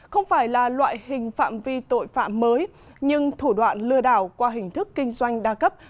không phải là loại hình phạm vi tội phạm mới nhưng thủ đoạn lừa đảo qua hình thức kinh doanh đa cấp